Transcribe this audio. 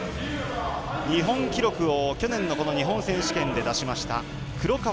日本記録を去年の日本選手権で出しました黒川